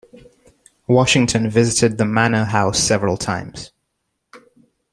Washington visited the Manor House several times.